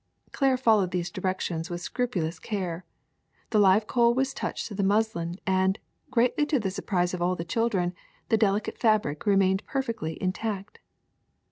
'' Claire followed these directions with scrupulous care : the live coal was touched to the muslin, and, greatly to the surprise of all the children, the deli cate fabric remained perfectly intact.